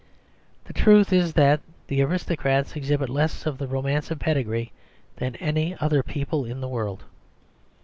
The truth is that aristocrats exhibit less of the romance of pedigree than any other people in the world.